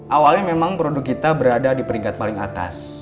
awalnya memang produk kita berada di peringkat paling atas